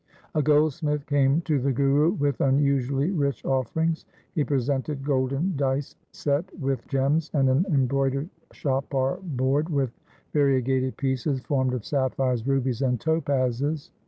A goldsmith came to the Guru with unusually rich offerings. He presented golden dice set with gems and an embroidered chaupar board with varie gated pieces formed of sapphires, rubies, and topazes.